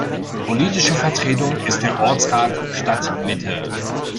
Politische Vertretung ist der Ortsrat Stadtmitte.